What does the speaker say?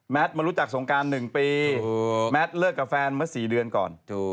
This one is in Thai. แมทมารู้จักสองการหนึ่งปีแมทเลิกกับแฟนเมื่อสี่เดือนก่อน